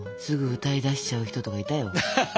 すぐ歌い出しちゃう人とかいたよ。